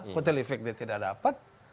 kotel efek dia tidak dapat